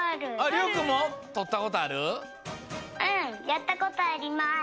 やったことあります。